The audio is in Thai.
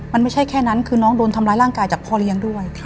มันไม่ใช่แค่นั้นคือน้องโดนทำร้ายร่างกายจากพ่อเลี้ยงด้วย